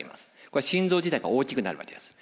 これは心臓自体が大きくなるわけです。